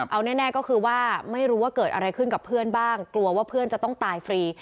เอาแน่ก็คือว่าไม่รู้ว่าเกิดอะไรขึ้นกับเพื่อนบ้างกลัวว่าเพื่อนจะต้องตายฟรี